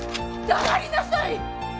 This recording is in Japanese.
黙りなさい！